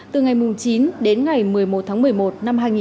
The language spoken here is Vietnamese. từ ngày chín đến ngày một mươi một tháng một mươi một